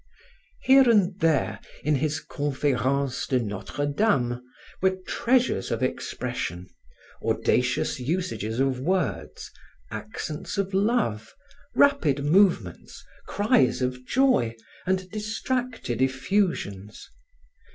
Here and there in his Conferences de Notre Dame, were treasures of expression, audacious usages of words, accents of love, rapid movements, cries of joy and distracted effusions.